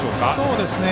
そうですね。